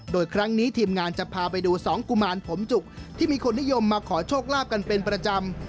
โดยครั้งนี้ทีมงานจะพาไปดูสองกุมารผมจุกที่มีคนนิยมมาขอโชคลาภกันเป็นประจำ